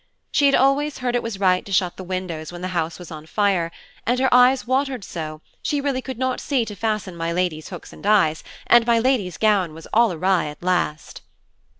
She had always heard it was right to shut the windows when the house was on fire; and her eyes watered so, she really could not see to fasten mylady's hooks and eyes, and mylady's gown was all awry at last.